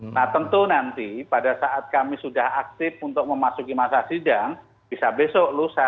nah tentu nanti pada saat kami sudah aktif untuk memasuki masa sidang bisa besok lusa